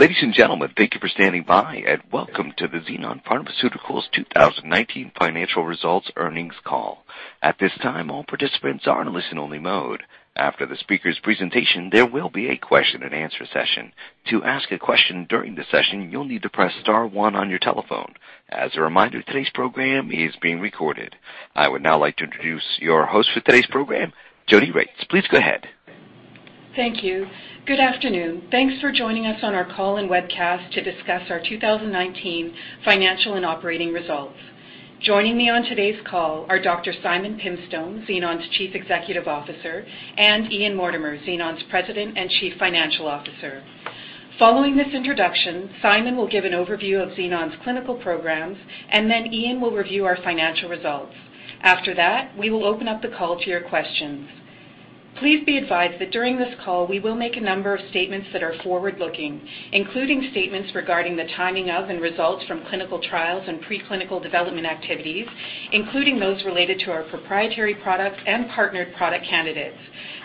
Ladies and gentlemen, thank you for standing by, and welcome to the Xenon Pharmaceuticals 2019 financial results earnings call. At this time, all participants are in listen only mode. After the speaker's presentation, there will be a question and answer session. To ask a question during the session, you'll need to press star one on your telephone. As a reminder, today's program is being recorded. I would now like to introduce your host for today's program, Jodi Regts. Please go ahead. Thank you. Good afternoon. Thanks for joining us on our call and webcast to discuss our 2019 financial and operating results. Joining me on today's call are Dr. Simon Pimstone, Xenon's Chief Executive Officer, and Ian Mortimer, Xenon's President and Chief Financial Officer. Following this introduction, Simon will give an overview of Xenon's clinical programs, and then Ian will review our financial results. After that, we will open up the call to your questions. Please be advised that during this call, we will make a number of statements that are forward-looking, including statements regarding the timing of and results from clinical trials and preclinical development activities, including those related to our proprietary products and partnered product candidates,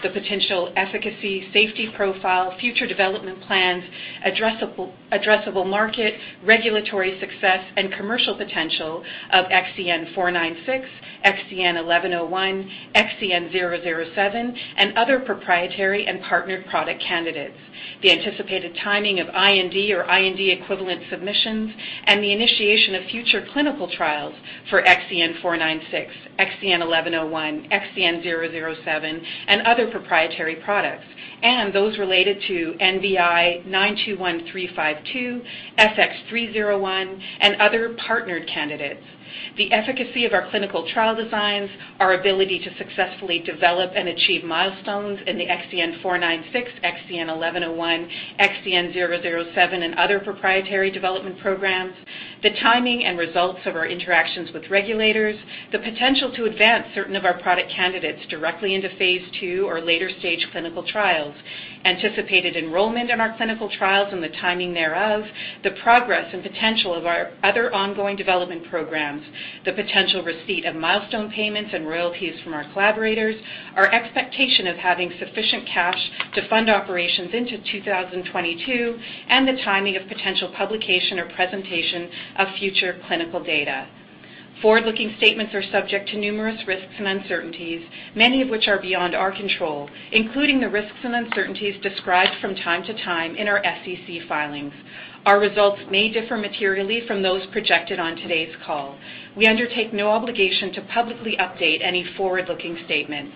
the potential efficacy, safety profile, future development plans, addressable market, regulatory success, and commercial potential of XEN496, XEN1101, XEN007, and other proprietary and partnered product candidates. The anticipated timing of IND or IND equivalent submissions and the initiation of future clinical trials for XEN496, XEN1101, XEN007 and other proprietary products, and those related to NBI-921352, FX301 and other partnered candidates. The efficacy of our clinical trial designs, our ability to successfully develop and achieve milestones in the XEN496, XEN1101, XEN007 and other proprietary development programs. The timing and results of our interactions with regulators, the potential to advance certain of our product candidates directly into phase II or later stage clinical trials. Anticipated enrollment in our clinical trials and the timing thereof. The progress and potential of our other ongoing development programs. The potential receipt of milestone payments and royalties from our collaborators. Our expectation of having sufficient cash to fund operations into 2022, and the timing of potential publication or presentation of future clinical data. Forward-looking statements are subject to numerous risks and uncertainties, many of which are beyond our control, including the risks and uncertainties described from time to time in our SEC filings. Our results may differ materially from those projected on today's call. We undertake no obligation to publicly update any forward-looking statement.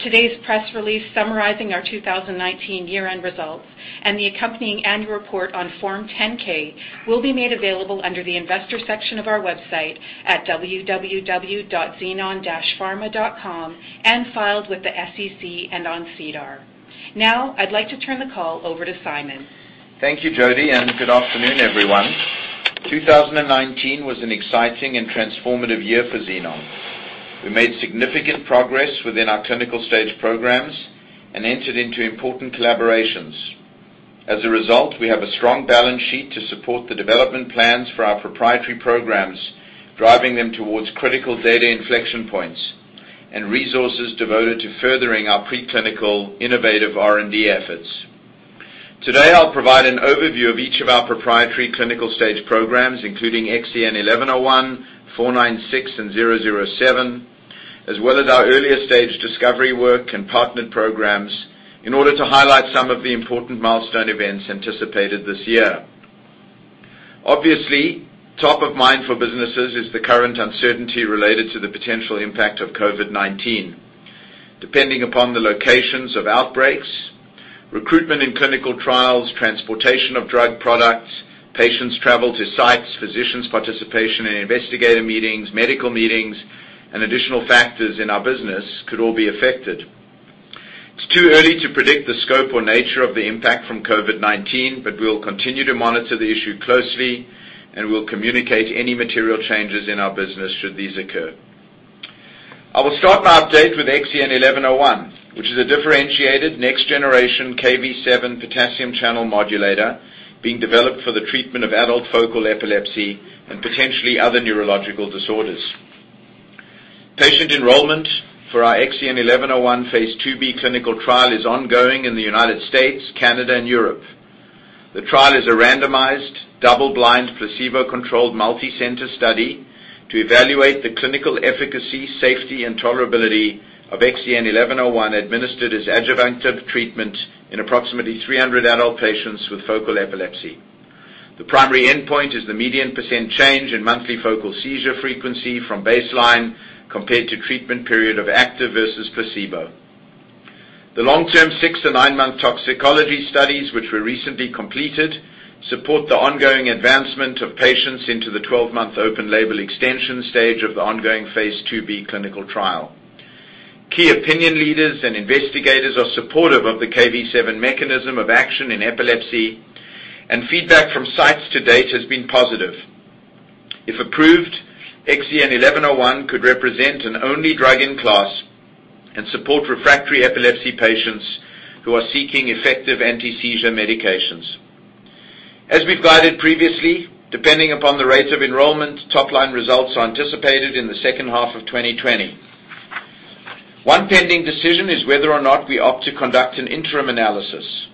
Today's press release summarizing our 2019 year-end results and the accompanying annual report on Form 10-K will be made available under the investor section of our website at www.xenon-pharma.com and filed with the SEC and on SEDAR. I'd like to turn the call over to Simon. Thank you, Jodi, good afternoon, everyone. 2019 was an exciting and transformative year for Xenon. We made significant progress within our clinical stage programs and entered into important collaborations. As a result, we have a strong balance sheet to support the development plans for our proprietary programs, driving them towards critical data inflection points, and resources devoted to furthering our preclinical innovative R&D efforts. Today, I'll provide an overview of each of our proprietary clinical stage programs, including XEN1101, XEN496 and XEN007, as well as our earlier stage discovery work and partnered programs in order to highlight some of the important milestone events anticipated this year. Obviously, top of mind for businesses is the current uncertainty related to the potential impact of COVID-19. Depending upon the locations of outbreaks, recruitment in clinical trials, transportation of drug products, patients travel to sites, physicians participation in investigator meetings, medical meetings, and additional factors in our business could all be affected. It's too early to predict the scope or nature of the impact from COVID-19, but we will continue to monitor the issue closely and we'll communicate any material changes in our business should these occur. I will start my update with XEN1101, which is a differentiated next generation KV7 potassium channel modulator being developed for the treatment of adult focal epilepsy and potentially other neurological disorders. Patient enrollment for our XEN1101 Phase IIb clinical trial is ongoing in the United States, Canada and Europe. The trial is a randomized, double-blind, placebo-controlled, multi-center study to evaluate the clinical efficacy, safety, and tolerability of XEN1101 administered as adjuvant treatment in approximately 300 adult patients with focal epilepsy. The primary endpoint is the median percent change in monthly focal seizure frequency from baseline compared to treatment period of active versus placebo. The long-term six to nine-month toxicology studies, which were recently completed, support the ongoing advancement of patients into the 12-month open label extension stage of the ongoing phase II-B clinical trial. Key opinion leaders and investigators are supportive of the KV7 mechanism of action in epilepsy. Feedback from sites to date has been positive. If approved, XEN1101 could represent an only drug in class and support refractory epilepsy patients who are seeking effective anti-seizure medications. As we've guided previously, depending upon the rate of enrollment, top-line results are anticipated in the second half of 2020. One pending decision is whether or not we opt to conduct an interim analysis.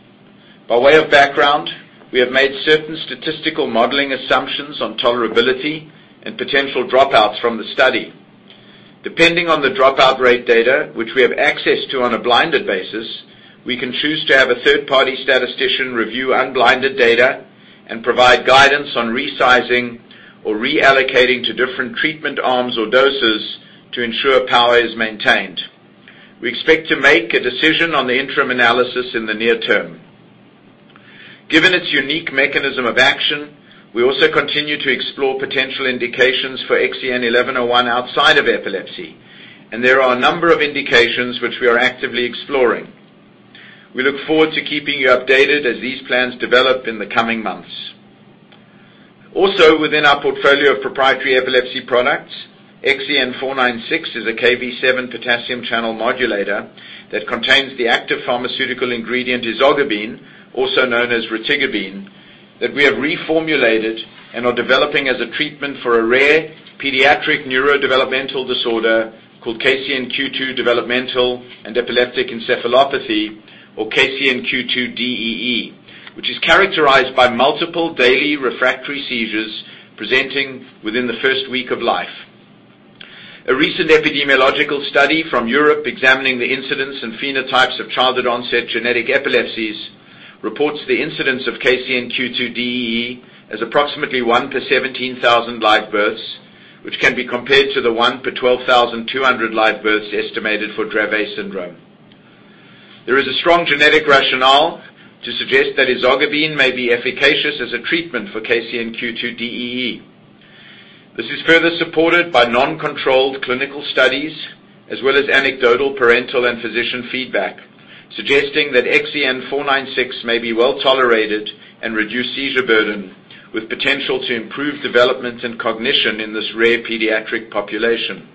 By way of background, we have made certain statistical modeling assumptions on tolerability and potential dropouts from the study. Depending on the dropout rate data, which we have access to on a blinded basis, we can choose to have a third-party statistician review unblinded data and provide guidance on resizing or reallocating to different treatment arms or doses to ensure power is maintained. We expect to make a decision on the interim analysis in the near term. Given its unique mechanism of action, we also continue to explore potential indications for XEN1101 outside of epilepsy, and there are a number of indications which we are actively exploring. We look forward to keeping you updated as these plans develop in the coming months. Also within our portfolio of proprietary epilepsy products, XEN496 is a KV7 potassium channel modulator that contains the active pharmaceutical ingredient ezogabine, also known as retigabine, that we have reformulated and are developing as a treatment for a rare pediatric neurodevelopmental disorder called KCNQ2 developmental and epileptic encephalopathy, or KCNQ2-DEE, which is characterized by multiple daily refractory seizures presenting within the first week of life. A recent epidemiological study from Europe examining the incidence and phenotypes of childhood-onset genetic epilepsies reports the incidence of KCNQ2-DEE as approximately one per 17,000 live births, which can be compared to the one per 12,200 live births estimated for Dravet syndrome. There is a strong genetic rationale to suggest that ezogabine may be efficacious as a treatment for KCNQ2-DEE. This is further supported by non-controlled clinical studies, as well as anecdotal parental and physician feedback, suggesting that XEN496 may be well-tolerated and reduce seizure burden, with potential to improve development and cognition in this rare pediatric population.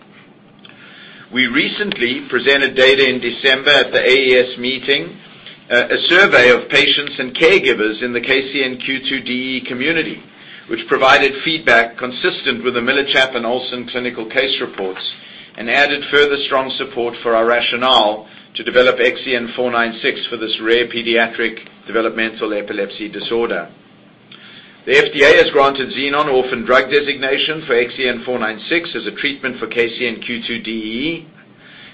We recently presented data in December at the AES meeting, a survey of patients and caregivers in the KCNQ2-DEE community, which provided feedback consistent with the Miller Chapin Olson clinical case reports and added further strong support for our rationale to develop XEN496 for this rare pediatric developmental epilepsy disorder. The FDA has granted Xenon orphan drug designation for XEN496 as a treatment for KCNQ2-DEE.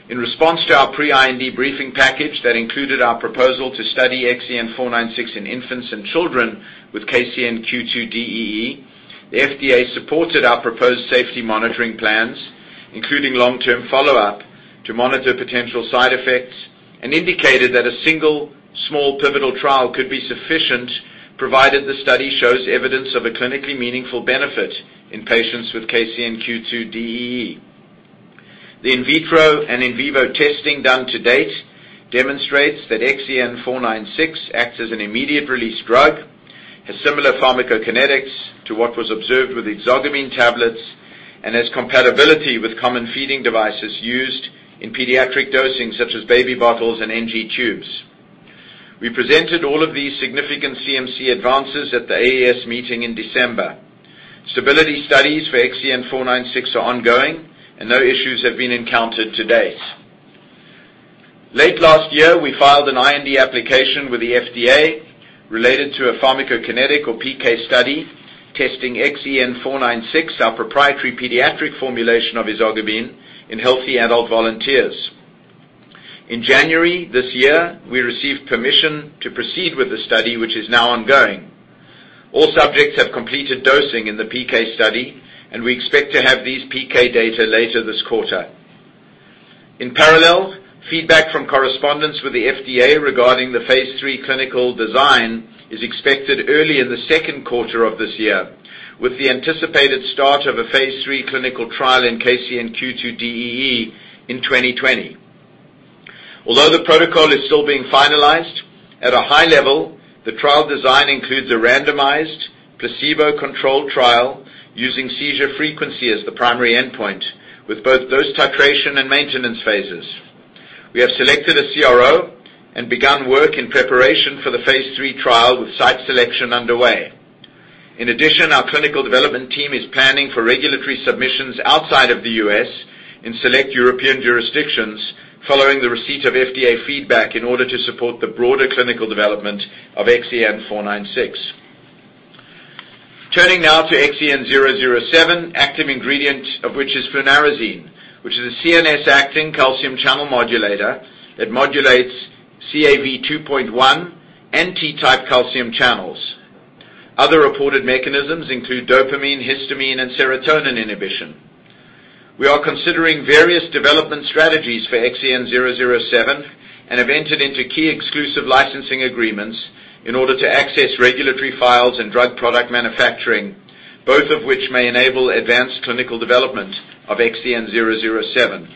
In response to our pre-IND briefing package that included our proposal to study XEN496 in infants and children with KCNQ2-DEE, the FDA supported our proposed safety monitoring plans, including long-term follow-up, to monitor potential side effects and indicated that a single small pivotal trial could be sufficient, provided the study shows evidence of a clinically meaningful benefit in patients with KCNQ2-DEE. The in vitro and in vivo testing done to date demonstrates that XEN496 acts as an immediate release drug, has similar pharmacokinetics to what was observed with ezogabine tablets, and has compatibility with common feeding devices used in pediatric dosing, such as baby bottles and NG tubes. We presented all of these significant CMC advances at the AES meeting in December. Stability studies for XEN496 are ongoing, and no issues have been encountered to date. Late last year, we filed an IND application with the FDA related to a pharmacokinetic or PK study testing XEN496, our proprietary pediatric formulation of ezogabine, in healthy adult volunteers. In January this year, we received permission to proceed with the study, which is now ongoing. All subjects have completed dosing in the PK study, and we expect to have these PK data later this quarter. In parallel, feedback from correspondence with the FDA regarding the phase III clinical design is expected early in the second quarter of this year, with the anticipated start of a phase III clinical trial in KCNQ2-DEE in 2020. Although the protocol is still being finalized, at a high level, the trial design includes a randomized, placebo-controlled trial using seizure frequency as the primary endpoint with both dose titration and maintenance phases. We have selected a CRO and begun work in preparation for the phase III trial, with site selection underway. In addition, our clinical development team is planning for regulatory submissions outside of the U.S. in select European jurisdictions following the receipt of FDA feedback in order to support the broader clinical development of XEN496. Turning now to XEN007, active ingredient of which is flunarizine, which is a CNS-acting calcium channel modulator that modulates CAV2.1 and T-type calcium channels. Other reported mechanisms include dopamine, histamine, and serotonin inhibition. We are considering various development strategies for XEN007 and have entered into key exclusive licensing agreements in order to access regulatory files and drug product manufacturing, both of which may enable advanced clinical development of XEN007.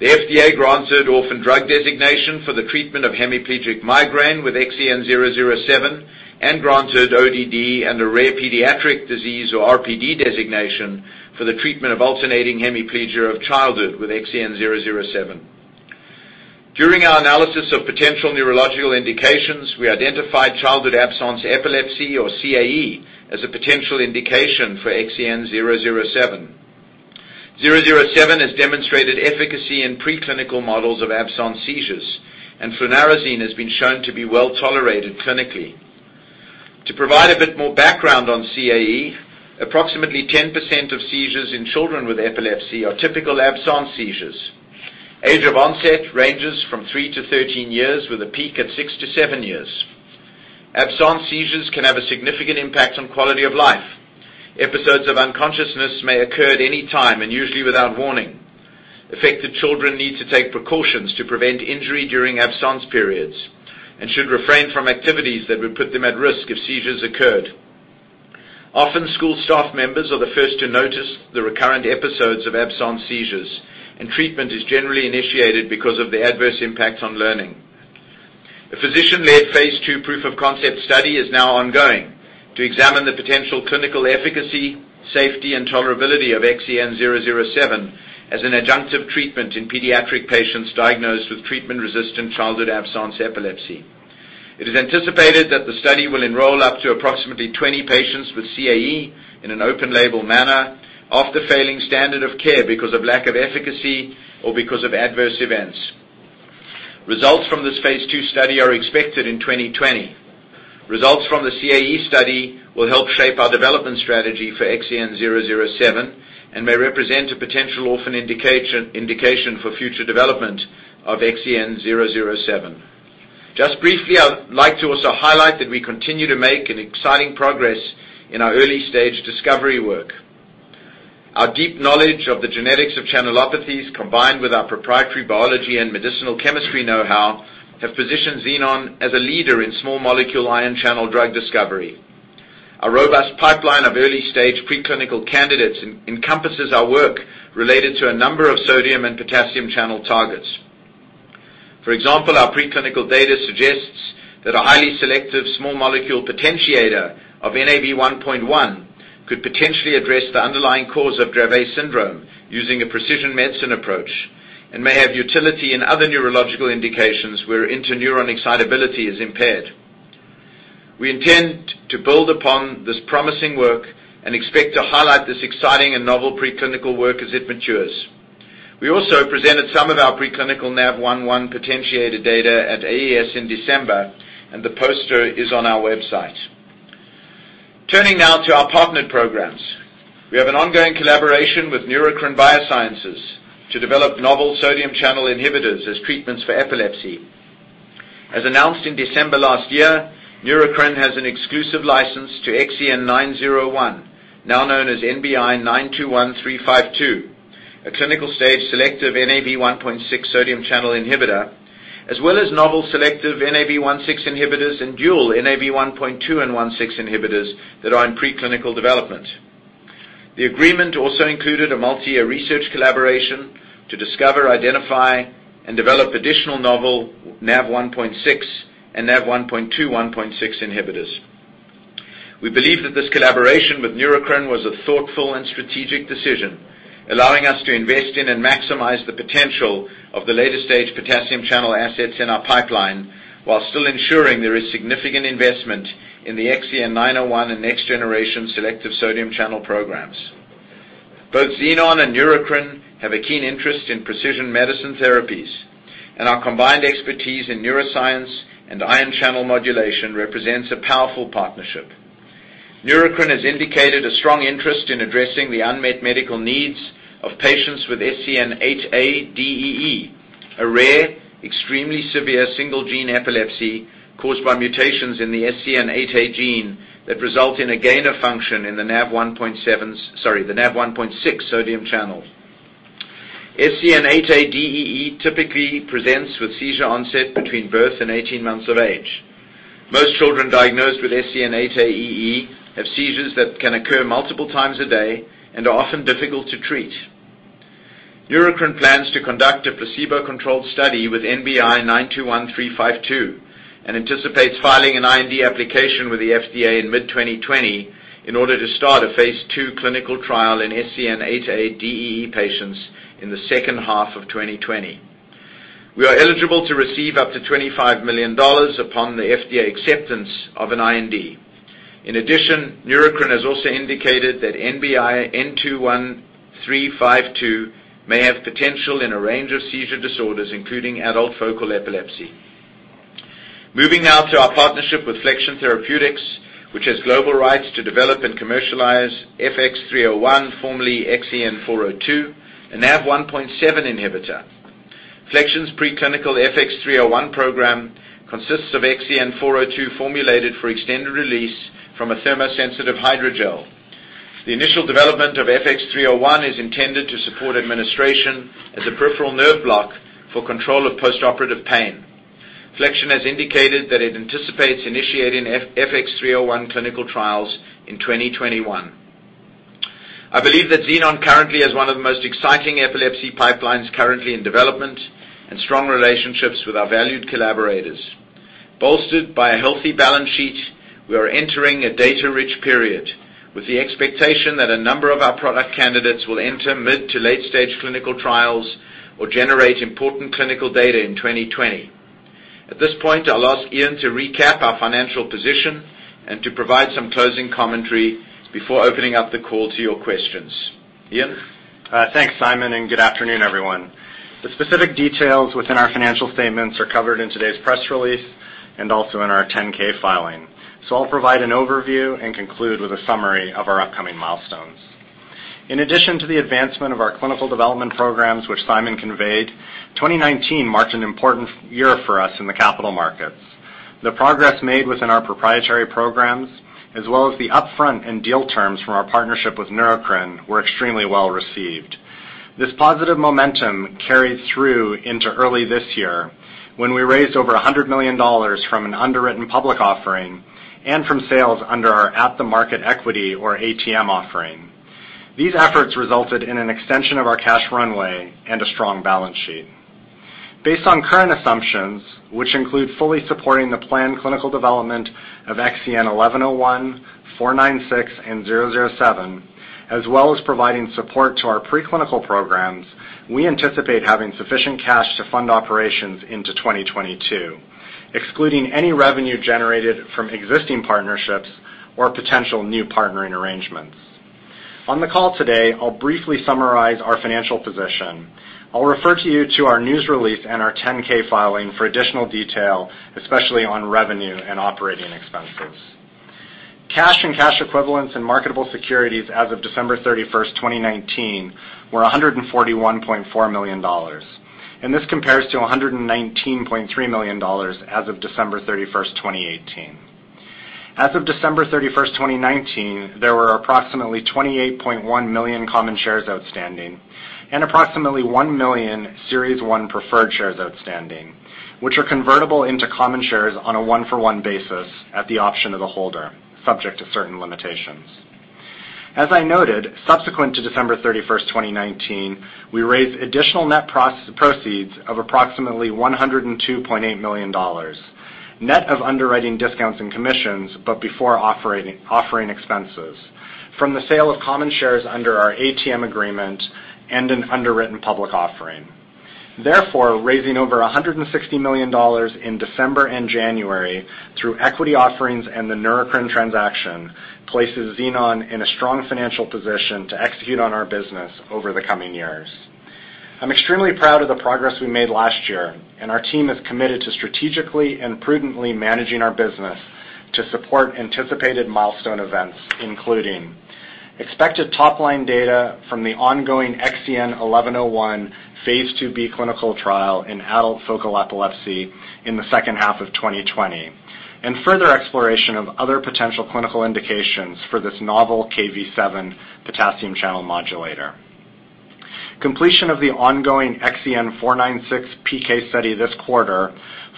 The FDA granted orphan drug designation for the treatment of hemiplegic migraine with XEN007 and granted ODD and a rare pediatric disease, or RPD, designation for the treatment of alternating hemiplegia of childhood with XEN007. During our analysis of potential neurological indications, we identified childhood absence epilepsy, or CAE, as a potential indication for XEN007. 007 has demonstrated efficacy in preclinical models of absence seizures, and flunarizine has been shown to be well-tolerated clinically. To provide a bit more background on CAE, approximately 10% of seizures in children with epilepsy are typical absence seizures. Age of onset ranges from three to 13 years, with a peak at six to seven years. Absence seizures can have a significant impact on quality of life. Episodes of unconsciousness may occur at any time, and usually without warning. Affected children need to take precautions to prevent injury during absence periods, and should refrain from activities that would put them at risk if seizures occurred. Often, school staff members are the first to notice the recurrent episodes of absence seizures, and treatment is generally initiated because of the adverse impacts on learning. A physician-led phase II proof of concept study is now ongoing to examine the potential clinical efficacy, safety, and tolerability of XEN007 as an adjunctive treatment in pediatric patients diagnosed with treatment-resistant childhood absence epilepsy. It is anticipated that the study will enroll up to approximately 20 patients with CAE in an open label manner after failing standard of care because of lack of efficacy or because of adverse events. Results from this phase II study are expected in 2020. Results from the CAE study will help shape our development strategy for XEN007 and may represent a potential orphan indication for future development of XEN007. Just briefly, I would like to also highlight that we continue to make an exciting progress in our early-stage discovery work. Our deep knowledge of the genetics of channelopathies, combined with our proprietary biology and medicinal chemistry know-how, have positioned Xenon as a leader in small molecule ion channel drug discovery. A robust pipeline of early-stage preclinical candidates encompasses our work related to a number of sodium and potassium channel targets. For example, our preclinical data suggests that a highly selective small molecule potentiator of NaV1.1 could potentially address the underlying cause of Dravet syndrome using a precision medicine approach and may have utility in other neurological indications where interneuron excitability is impaired. We intend to build upon this promising work and expect to highlight this exciting and novel preclinical work as it matures. We also presented some of our preclinical NaV1.1 potentiator data at AES in December, and the poster is on our website. Turning now to our partnered programs. We have an ongoing collaboration with Neurocrine Biosciences to develop novel sodium channel inhibitors as treatments for epilepsy. As announced in December last year, Neurocrine has an exclusive license to XEN901, now known as NBI-921352, a clinical-stage selective NaV1.6 sodium channel inhibitor, as well as novel selective NaV1.6 inhibitors and dual NaV1.2 and 1.6 inhibitors that are in preclinical development. The agreement also included a multi-year research collaboration to discover, identify, and develop additional novel NaV1.6 and NaV1.2, 1.6 inhibitors. We believe that this collaboration with Neurocrine was a thoughtful and strategic decision, allowing us to invest in and maximize the potential of the later-stage potassium channel assets in our pipeline while still ensuring there is significant investment in the XEN901 and next-generation selective sodium channel programs. Both Xenon and Neurocrine have a keen interest in precision medicine therapies, and our combined expertise in neuroscience and ion channel modulation represents a powerful partnership. Neurocrine has indicated a strong interest in addressing the unmet medical needs of patients with SCN8A-DEE, a rare, extremely severe single-gene epilepsy caused by mutations in the SCN8A gene that result in a gain of function in the NaV1.6 sodium channels. SCN8A-DEE typically presents with seizure onset between birth and 18 months of age. Most children diagnosed with SCN8A-DEE have seizures that can occur multiple times a day and are often difficult to treat. Neurocrine plans to conduct a placebo-controlled study with NBI-921352 and anticipates filing an IND application with the FDA in mid-2020 in order to start a phase II clinical trial in SCN8A-DEE patients in the second half of 2020. We are eligible to receive up to $25 million upon the FDA acceptance of an IND. Neurocrine has also indicated that NBI-921352 may have potential in a range of seizure disorders, including adult focal epilepsy. Moving now to our partnership with Flexion Therapeutics, which has global rights to develop and commercialize FX301, formerly XEN402, a NaV1.7 inhibitor. Flexion's preclinical FX301 program consists of XEN402 formulated for extended release from a thermosensitive hydrogel. The initial development of FX301 is intended to support administration as a peripheral nerve block for control of postoperative pain. Flexion has indicated that it anticipates initiating FX301 clinical trials in 2021. I believe that Xenon currently has one of the most exciting epilepsy pipelines currently in development and strong relationships with our valued collaborators. Bolstered by a healthy balance sheet, we are entering a data-rich period with the expectation that a number of our product candidates will enter mid to late-stage clinical trials or generate important clinical data in 2020. At this point, I'll ask Ian to recap our financial position and to provide some closing commentary before opening up the call to your questions. Ian? Thanks, Simon, good afternoon, everyone. The specific details within our financial statements are covered in today's press release and also in our Form 10-K filing. I'll provide an overview and conclude with a summary of our upcoming milestones. In addition to the advancement of our clinical development programs, which Simon conveyed, 2019 marked an important year for us in the capital markets. The progress made within our proprietary programs, as well as the upfront and deal terms from our partnership with Neurocrine, were extremely well-received. This positive momentum carried through into early this year, when we raised over $100 million from an underwritten public offering and from sales under our at-the-market equity or ATM offering. These efforts resulted in an extension of our cash runway and a strong balance sheet. Based on current assumptions, which include fully supporting the planned clinical development of XEN1101, XEN496, and XEN007, as well as providing support to our preclinical programs, we anticipate having sufficient cash to fund operations into 2022, excluding any revenue generated from existing partnerships or potential new partnering arrangements. On the call today, I'll briefly summarize our financial position. I'll refer to you to our news release and our Form 10-K filing for additional detail, especially on revenue and operating expenses. Cash and cash equivalents and marketable securities as of December 31st, 2019, were $141.4 million. This compares to $119.3 million as of December 31st, 2018. As of December 31st, 2019, there were approximately 28.1 million common shares outstanding and approximately one million Series 1 preferred shares outstanding, which are convertible into common shares on a one-for-one basis at the option of the holder, subject to certain limitations. As I noted, subsequent to December 31st, 2019, we raised additional net proceeds of approximately $102.8 million, net of underwriting discounts and commissions, but before offering expenses from the sale of common shares under our ATM agreement and an underwritten public offering. Raising over $160 million in December and January through equity offerings and the Neurocrine transaction places Xenon in a strong financial position to execute on our business over the coming years. I'm extremely proud of the progress we made last year, and our team is committed to strategically and prudently managing our business to support anticipated milestone events, including expected top-line data from the ongoing XEN1101 phase IIB clinical trial in adult focal epilepsy in the second half of 2020. Further exploration of other potential clinical indications for this novel Kv7 potassium channel modulator. Completion of the ongoing XEN496 PK study this quarter,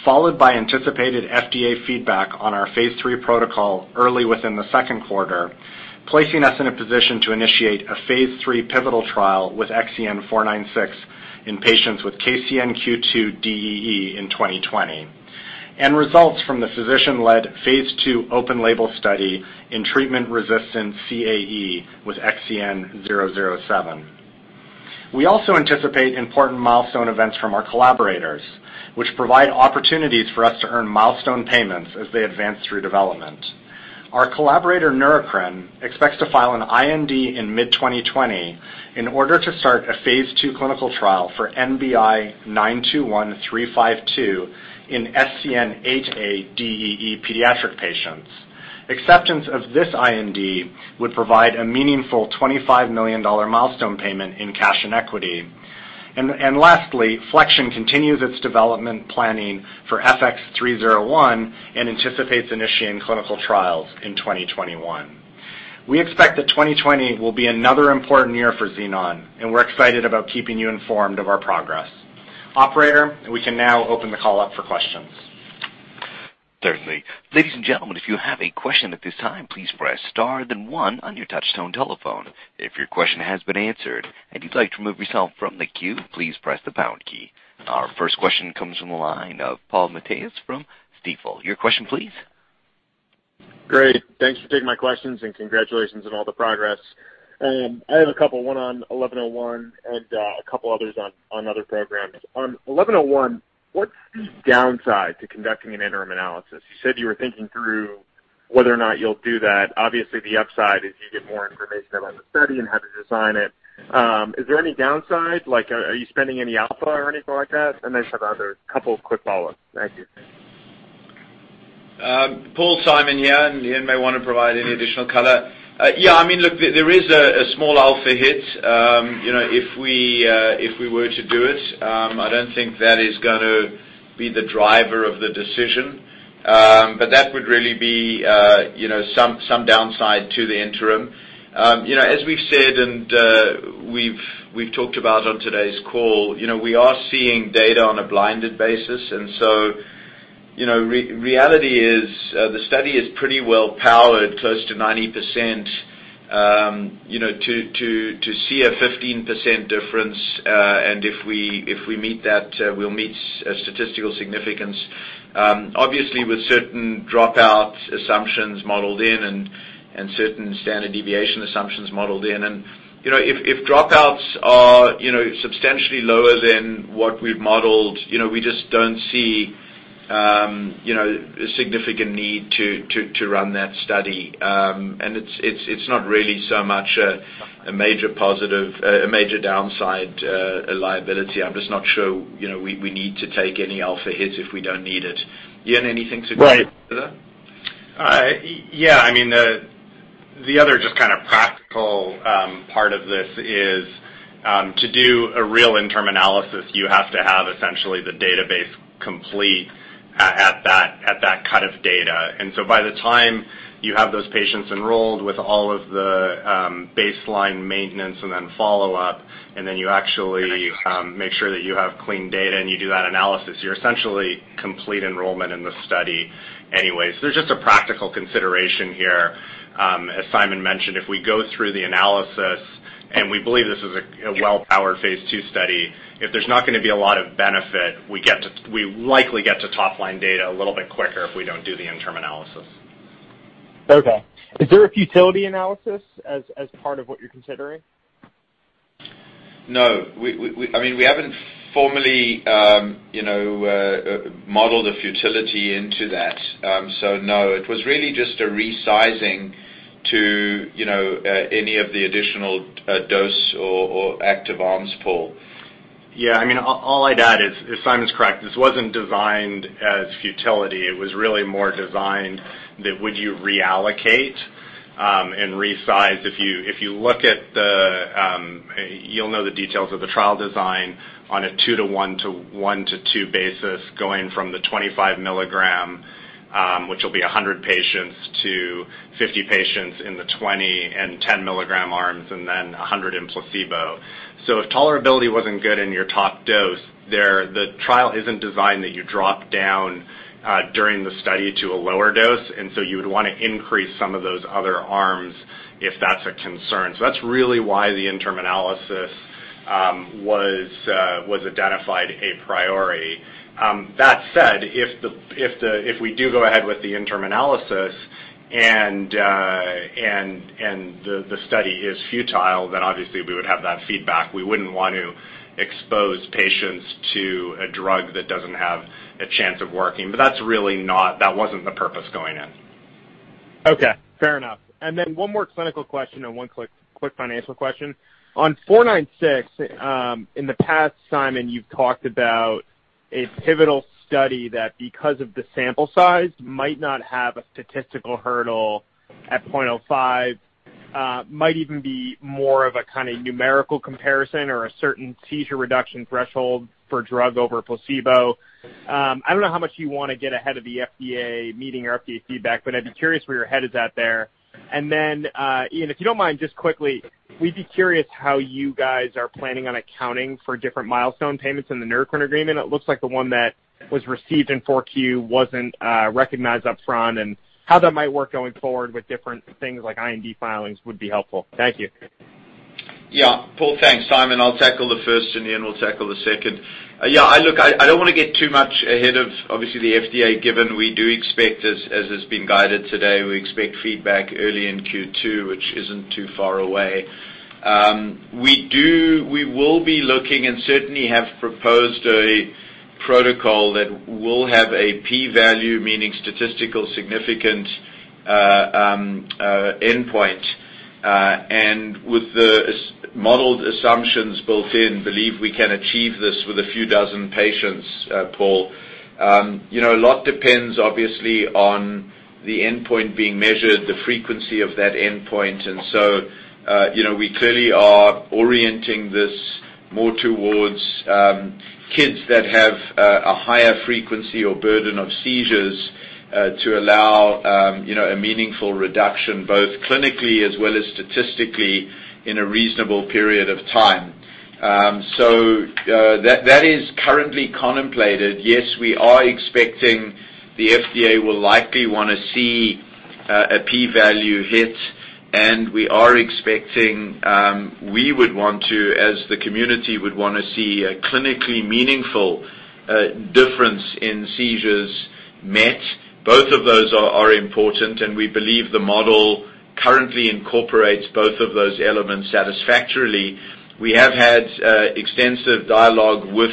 followed by anticipated FDA feedback on our phase III protocol early within the second quarter, placing us in a position to initiate a phase III pivotal trial with XEN496 in patients with KCNQ2-DEE in 2020. Results from the physician-led phase II open label study in treatment-resistant CAE with XEN007. We also anticipate important milestone events from our collaborators, which provide opportunities for us to earn milestone payments as they advance through development. Our collaborator, Neurocrine, expects to file an IND in mid-2020 in order to start a phase II clinical trial for NBI-921352 in SCN8A-DEE pediatric patients. Acceptance of this IND would provide a meaningful $25 million milestone payment in cash and equity. Lastly, Flexion continues its development planning for FX301 and anticipates initiating clinical trials in 2021. We expect that 2020 will be another important year for Xenon, and we're excited about keeping you informed of our progress. Operator, we can now open the call up for questions. Certainly. Ladies and gentlemen, if you have a question at this time, please press star then one on your touchtone telephone. If your question has been answered and you'd like to remove yourself from the queue, please press the pound key. Our first question comes from the line of Paul Matteis from Stifel. Your question, please. Great. Thanks for taking my questions and congratulations on all the progress. I have a couple. One on 1101 and a couple others on other programs. On 1101, what's the downside to conducting an interim analysis? You said you were thinking through whether or not you'll do that. Obviously, the upside is you get more information around the study and how to design it. Is there any downside? Are you spending any alpha or anything like that? I just have other couple of quick follow-ups. Thank you. Paul, Simon here. Ian may want to provide any additional color. There is a small alpha hit if we were to do it. I don't think that is going to be the driver of the decision. That would really be some downside to the interim. As we've said and we've talked about on today's call, we are seeing data on a blinded basis. Reality is the study is pretty well powered, close to 90%. To see a 15% difference, and if we meet that, we'll meet statistical significance. Obviously, with certain dropout assumptions modeled in and certain standard deviation assumptions modeled in. If dropouts are substantially lower than what we've modeled, we just don't see a significant need to run that study. It's not really so much a major downside, a liability. I'm just not sure we need to take any alpha hits if we don't need it. Ian, anything to. Right add to that? Yeah. The other just practical part of this is, to do a real interim analysis, you have to have essentially the database complete at that cut of data. By the time you have those patients enrolled with all of the baseline maintenance and then follow-up, and then you actually make sure that you have clean data and you do that analysis, you're essentially complete enrollment in the study anyway. There's just a practical consideration here. As Simon mentioned, if we go through the analysis, and we believe this is a well-powered phase II study, if there's not going to be a lot of benefit, we likely get to top-line data a little bit quicker if we don't do the interim analysis. Okay. Is there a futility analysis as part of what you're considering? No. We haven't formally modeled a futility into that. No. It was really just a resizing to any of the additional dose or active arms pool. Yeah. All I'd add is, Simon's correct. This wasn't designed as futility. It was really more designed that would you reallocate and resize. If you look at the details of the trial design on a 2 to 1 to 1 to 2 basis, going from the 25 mg, which will be 100 patients, to 50 patients in the 20 and 10 mg arms, and then 100 in placebo. If tolerability wasn't good in your top dose, the trial isn't designed that you drop down during the study to a lower dose, you would want to increase some of those other arms if that's a concern. That's really why the interim analysis was identified a priority. That said, if we do go ahead with the interim analysis and the study is futile, obviously we would have that feedback. We wouldn't want to expose patients to a drug that doesn't have a chance of working. That wasn't the purpose going in. Okay. Fair enough. One more clinical question and one quick financial question. On 496, in the past, Simon, you've talked about a pivotal study that, because of the sample size, might not have a statistical hurdle at 0.05, might even be more of a numerical comparison or a certain seizure reduction threshold for drug over placebo. I don't know how much you want to get ahead of the FDA meeting or FDA feedback, I'd be curious where your head is at there. Ian, if you don't mind, just quickly, we'd be curious how you guys are planning on accounting for different milestone payments in the Neurocrine agreement. It looks like the one that was received in 4Q wasn't recognized upfront, how that might work going forward with different things like IND filings would be helpful. Thank you. Paul, thanks. Simon, I'll tackle the first and Ian will tackle the second. Look, I don't want to get too much ahead of, obviously, the FDA, given we do expect as has been guided today, we expect feedback early in Q2, which isn't too far away. We will be looking and certainly have proposed a protocol that will have a p-value, meaning statistical significance endpoint. With the modeled assumptions built in, believe we can achieve this with a few dozen patients, Paul. A lot depends, obviously, on the endpoint being measured, the frequency of that endpoint. So, we clearly are orienting this more towards kids that have a higher frequency or burden of seizures to allow a meaningful reduction, both clinically as well as statistically in a reasonable period of time. That is currently contemplated. Yes, we are expecting the FDA will likely want to see a p-value hit, and we are expecting we would want to, as the community would want to see a clinically meaningful difference in seizures met. Both of those are important, and we believe the model currently incorporates both of those elements satisfactorily. We have had extensive dialogue with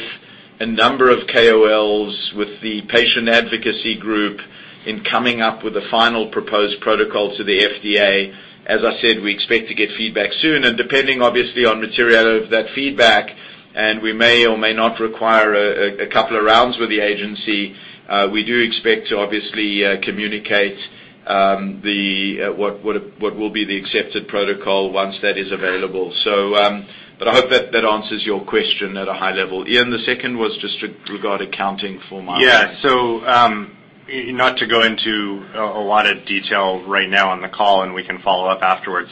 a number of KOLs, with the patient advocacy group in coming up with a final proposed protocol to the FDA. As I said, we expect to get feedback soon, and depending, obviously, on material of that feedback, and we may or may not require a couple of rounds with the agency. We do expect to obviously communicate what will be the accepted protocol once that is available. I hope that answers your question at a high level. Ian, the second was just with regard accounting for milestone. Not to go into a lot of detail right now on the call, and we can follow up afterwards.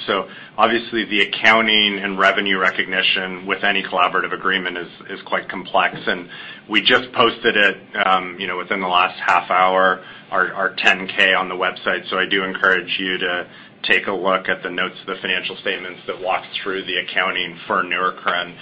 Obviously the accounting and revenue recognition with any collaborative agreement is quite complex, and we just posted it within the last half hour, our Form 10-K on the website. I do encourage you to take a look at the notes of the financial statements that walk through the accounting for Neurocrine.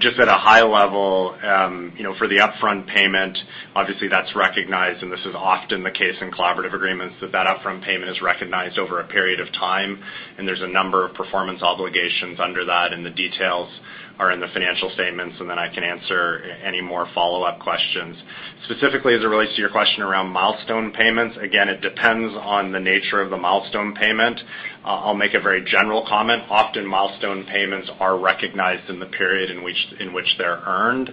Just at a high level, for the upfront payment, obviously that's recognized, and this is often the case in collaborative agreements, that upfront payment is recognized over a period of time, and there's a number of performance obligations under that, and the details are in the financial statements. Then I can answer any more follow-up questions. Specifically, as it relates to your question around milestone payments, again, it depends on the nature of the milestone payment. I'll make a very general comment. Often milestone payments are recognized in the period in which they're earned.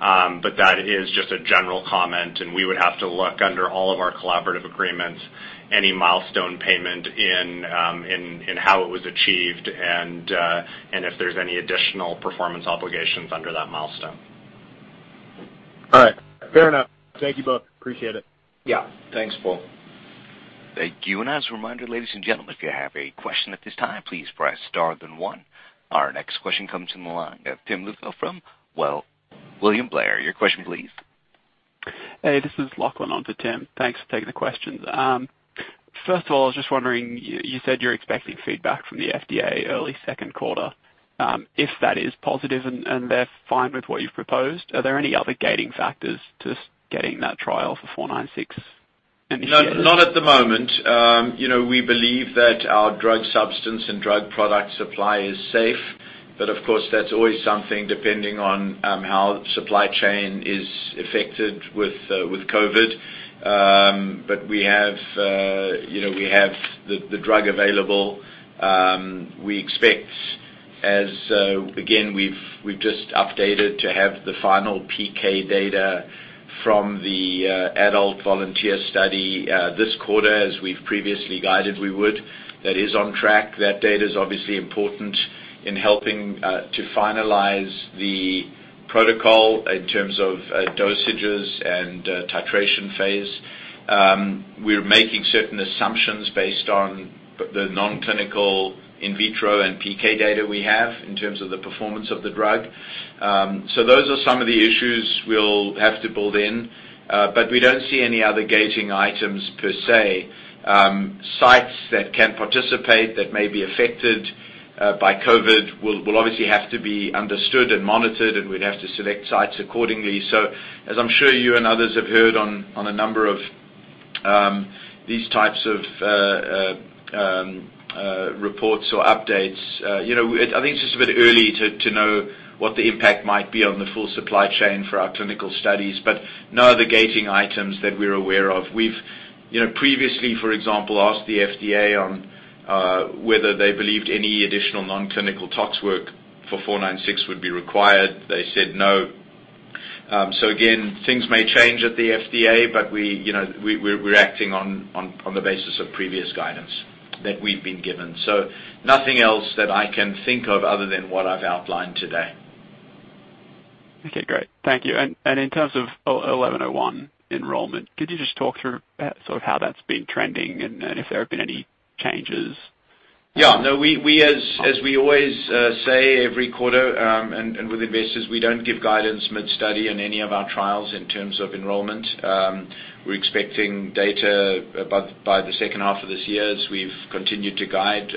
That is just a general comment, and we would have to look under all of our collaborative agreements, any milestone payment and how it was achieved and if there's any additional performance obligations under that milestone. All right. Fair enough. Thank you both. Appreciate it. Yeah. Thanks, Paul. Thank you. As a reminder, ladies and gentlemen, if you have a question at this time, please press star then one. Our next question comes from the line of Tim Lugo from William Blair. Your question, please. Hey, this is Lachlan onto Tim. Thanks for taking the questions. First of all, I was just wondering, you said you're expecting feedback from the FDA early second quarter. If that is positive and they're fine with what you've proposed, are there any other gating factors to getting that trial for 496 initiated? No, not at the moment. We believe that our drug substance and drug product supply is safe, but of course, that's always something depending on how supply chain is affected with COVID. We have the drug available. We expect as, again, we've just updated to have the final PK data from the adult volunteer study this quarter as we've previously guided we would. That is on track. That data is obviously important in helping to finalize the protocol in terms of dosages and titration phase. We're making certain assumptions based on the non-clinical in vitro and PK data we have in terms of the performance of the drug. Those are some of the issues we'll have to build in. We don't see any other gating items per se. Sites that can participate that may be affected by COVID will obviously have to be understood and monitored, and we'd have to select sites accordingly. As I'm sure you and others have heard on a number of these types of reports or updates, I think it's just a bit early to know what the impact might be on the full supply chain for our clinical studies. No other gating items that we're aware of. We've previously, for example, asked the FDA on whether they believed any additional non-clinical tox work for 496 would be required. They said no. Again, things may change at the FDA, but we're acting on the basis of previous guidance that we've been given. Nothing else that I can think of other than what I've outlined today. Okay, great. Thank you. In terms of XEN1101 enrollment, could you just talk through sort of how that's been trending and if there have been any changes? Yeah, no, as we always say every quarter, and with investors, we don't give guidance mid-study in any of our trials in terms of enrollment. We're expecting data by the second half of this year, as we've continued to guide.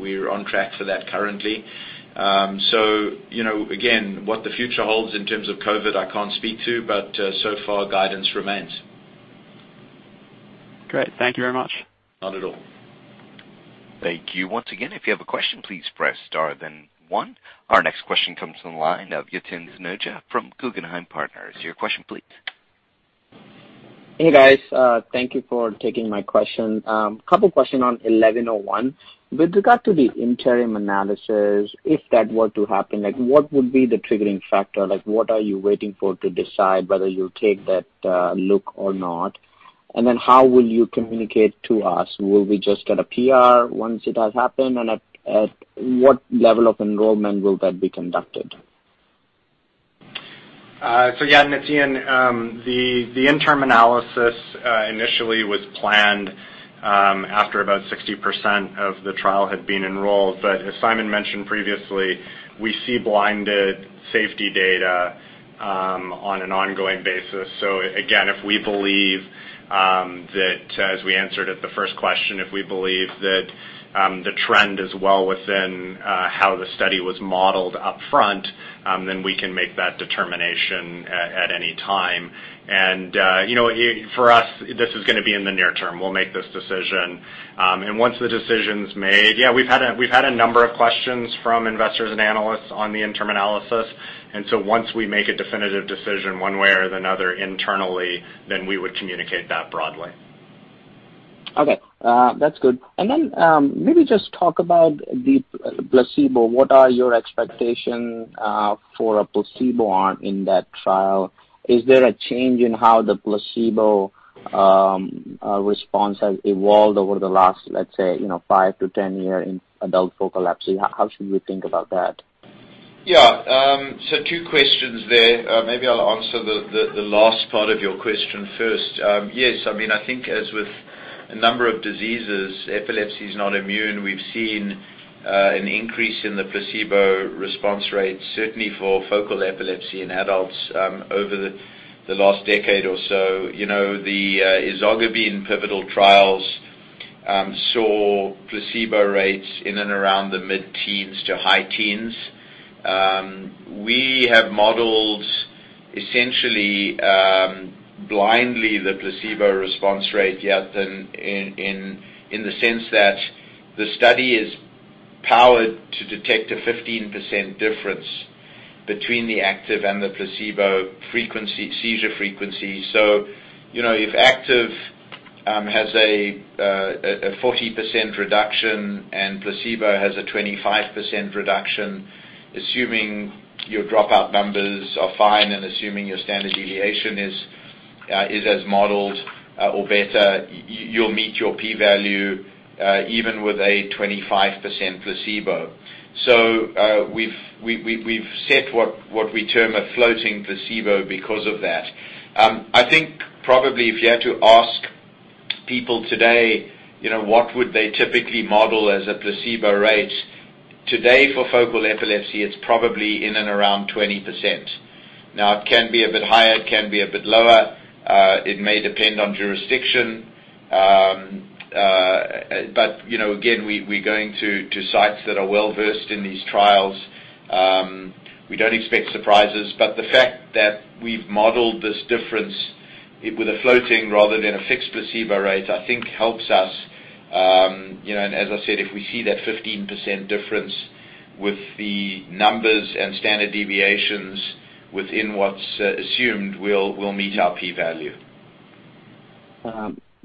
We're on track for that currently. Again, what the future holds in terms of COVID, I can't speak to, but so far guidance remains. Great. Thank you very much. Not at all. Thank you. Once again, if you have a question, please press star then one. Our next question comes from the line of Yatin Suneja from Guggenheim Partners. Your question please. Hey, guys. Thank you for taking my question. Couple question on XEN1101. With regard to the interim analysis, if that were to happen, what would be the triggering factor? What are you waiting for to decide whether you'll take that look or not? How will you communicate to us? Will we just get a PR once it has happened, and at what level of enrollment will that be conducted? Yeah, Yatin, the interim analysis initially was planned after about 60% of the trial had been enrolled. As Simon mentioned previously, we see blinded safety data on an ongoing basis. Again, as we answered at the first question, if we believe that the trend is well within how the study was modeled upfront, then we can make that determination at any time. For us, this is gonna be in the near term. We'll make this decision. Once the decision's made, yeah, we've had a number of questions from investors and analysts on the interim analysis, once we make a definitive decision one way or another internally, then we would communicate that broadly. Okay. That's good. Then maybe just talk about the placebo. What are your expectations for a placebo arm in that trial? Is there a change in how the placebo response has evolved over the last, let's say, 5-10 years in adult focal epilepsy? How should we think about that? Yeah. Two questions there. Maybe I'll answer the last part of your question first. Yes, I think as with a number of diseases, epilepsy is not immune. We've seen an increase in the placebo response rate, certainly for focal epilepsy in adults, over the last decade or so. The ezogabine pivotal trials saw placebo rates in and around the mid-teens to high teens. We have modeled essentially blindly the placebo response rate, yet in the sense that the study is powered to detect a 15% difference between the active and the placebo seizure frequency. If active has a 40% reduction and placebo has a 25% reduction, assuming your dropout numbers are fine and assuming your standard deviation is as modeled or better, you'll meet your p-value even with a 25% placebo. We've set what we term a floating placebo because of that. I think probably if you had to ask people today what would they typically model as a placebo rate today for focal epilepsy, it's probably in and around 20%. Now it can be a bit higher, it can be a bit lower. It may depend on jurisdiction. Again, we're going to sites that are well-versed in these trials. We don't expect surprises, but the fact that we've modeled this difference with a floating rather than a fixed placebo rate, I think helps us. As I said, if we see that 15% difference with the numbers and standard deviations within what's assumed, we'll meet our p-value.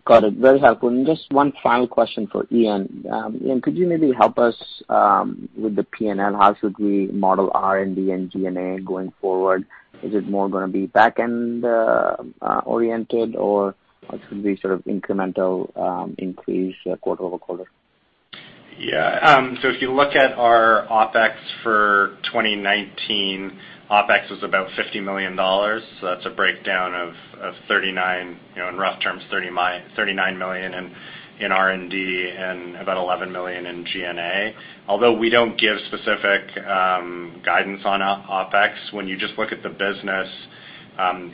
Got it. Very helpful. Just one final question for Ian. Ian, could you maybe help us with the P&L? How should we model R&D and G&A going forward? Is it more going to be back-end oriented or should it be sort of incremental increase quarter-over-quarter? Yeah. If you look at our OpEx for 2019, OpEx was about $50 million. That's a breakdown of $39, in rough terms, $39 million in R&D and about $11 million in G&A. Although we don't give specific guidance on OpEx, when you just look at the business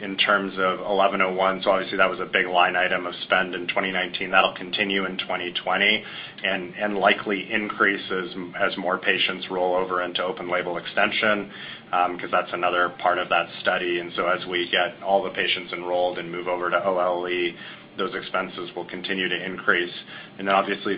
in terms of XEN1101, obviously that was a big line item of spend in 2019. That'll continue in 2020 and likely increase as more patients roll over into open-label extension, because that's another part of that study. As we get all the patients enrolled and move over to OLE, those expenses will continue to increase.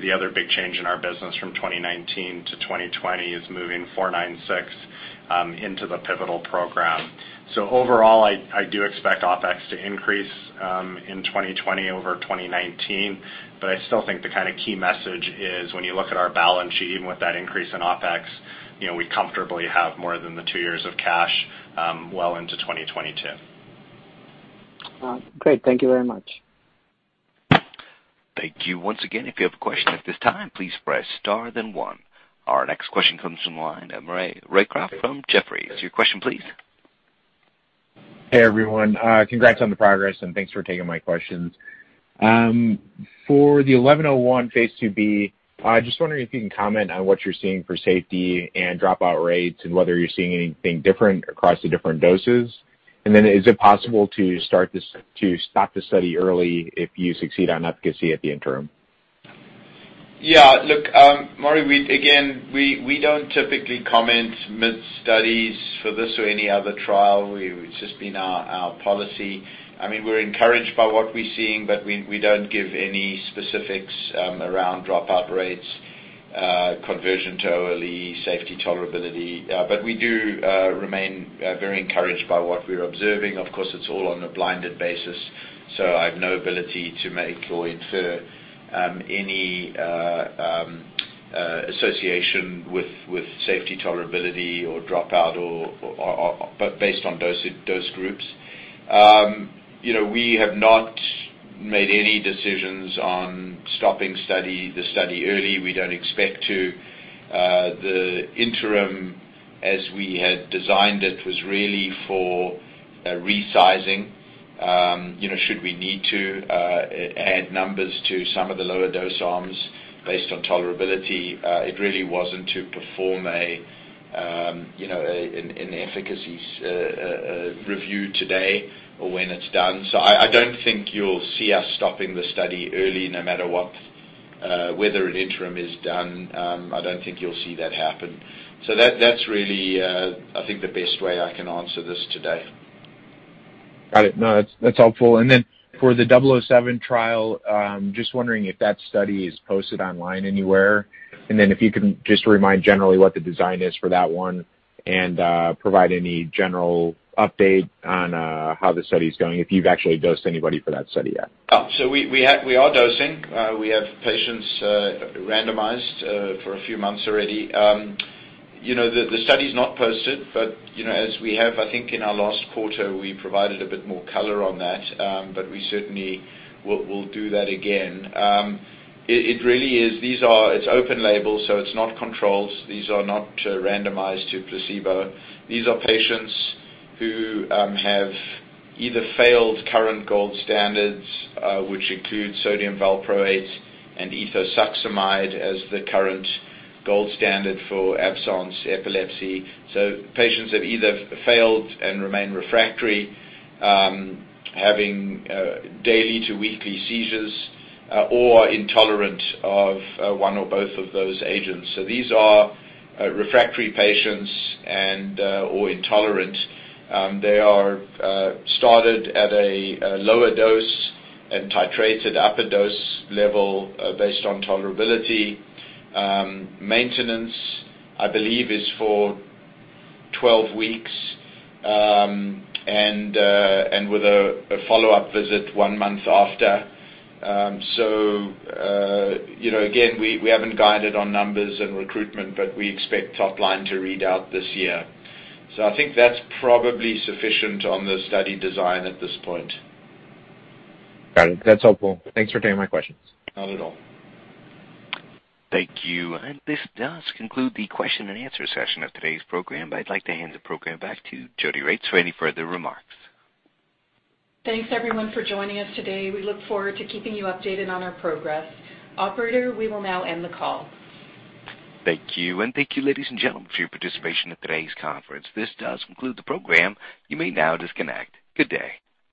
The other big change in our business from 2019 to 2020 is moving XEN496 into the pivotal program. Overall, I do expect OpEx to increase in 2020 over 2019. I still think the key message is when you look at our balance sheet, even with that increase in OpEx, we comfortably have more than the two years of cash well into 2022. Great. Thank you very much. Thank you once again. If you have a question at this time, please press star then one. Our next question comes from the line of Maury Raycroft from Jefferies. Your question, please. Hey, everyone. Congrats on the progress, and thanks for taking my questions. For the XEN1101 phase IIb, just wondering if you can comment on what you're seeing for safety and dropout rates and whether you're seeing anything different across the different doses. Then is it possible to stop the study early if you succeed on efficacy at the interim? Look, Ray, again, we don't typically comment mid-studies for this or any other trial. It's just been our policy. We're encouraged by what we're seeing, but we don't give any specifics around dropout rates, conversion to OLE, safety tolerability. We do remain very encouraged by what we're observing. Of course, it's all on a blinded basis, so I have no ability to make or infer any association with safety tolerability or dropout based on dose groups. We have not made any decisions on stopping the study early. We don't expect to. The interim, as we had designed it, was really for resizing. Should we need to add numbers to some of the lower dose arms based on tolerability? It really wasn't to perform an efficacy review today or when it's done. I don't think you'll see us stopping the study early no matter whether an interim is done. I don't think you'll see that happen. That's really, I think, the best way I can answer this today. Got it. No, that's helpful. For the XEN007 trial, just wondering if that study is posted online anywhere. If you can just remind generally what the design is for that one and provide any general update on how the study is going, if you've actually dosed anybody for that study yet. We are dosing. We have patients randomized for a few months already. The study's not posted, but as we have, I think in our last quarter, we provided a bit more color on that. We certainly will do that again. It's open label, so it's not controlled. These are not randomized to placebo. These are patients who have either failed current gold standards, which include sodium valproate and ethosuximide as the current gold standard for absence epilepsy. Patients have either failed and remain refractory, having daily to weekly seizures or are intolerant of one or both of those agents. These are refractory patients or intolerant. They are started at a lower dose and titrated up a dose level based on tolerability. Maintenance, I believe, is for 12 weeks, and with a follow-up visit one month after. Again, we haven't guided on numbers and recruitment, but we expect top line to read out this year. I think that's probably sufficient on the study design at this point. Got it. That's helpful. Thanks for taking my questions. Not at all. Thank you. This does conclude the question and answer session of today's program. I'd like to hand the program back to Jodi Regts for any further remarks. Thanks, everyone, for joining us today. We look forward to keeping you updated on our progress. Operator, we will now end the call. Thank you. Thank you, ladies and gentlemen, for your participation in today's conference. This does conclude the program. You may now disconnect. Good day.